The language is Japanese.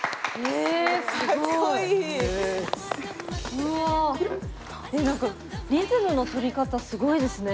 え何かリズムの取り方すごいですね。